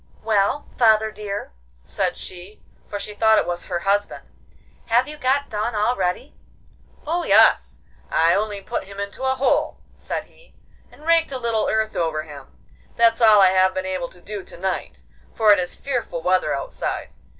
'Well, father dear,' said she, for she thought it was her husband. 'Have you got done already?' 'Oh yes, I only put him into a hole,' said he, 'and raked a little earth over him; that's all I have been able to do to night, for it is fearful weather outside.